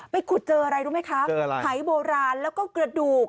ขุดเจออะไรรู้ไหมคะหายโบราณแล้วก็กระดูก